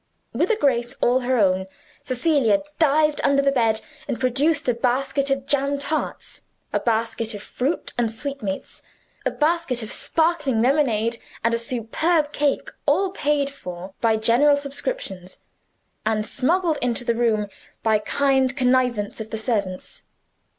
With a grace all her own, Cecilia dived under the bed, and produced a basket of jam tarts, a basket of fruit and sweetmeats, a basket of sparkling lemonade, and a superb cake all paid for by general subscriptions, and smuggled into the room by kind connivance of the servants.